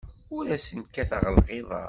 Ur asen-kkateɣ lɣiḍa.